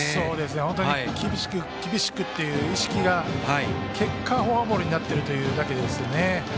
本当に厳しく厳しくっていう意識が結果、フォアボールになっているというだけですよね。